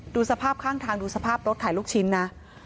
ดูสภาพข้างทางดูสภาพรถขายลูกชิ้นนะ